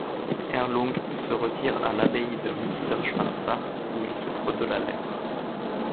Erlung se retire à l'abbaye de Münsterschwarzach, où il souffre de la lèpre.